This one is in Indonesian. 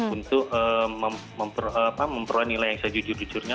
untuk memperoleh nilai yang saya jujur jujurnya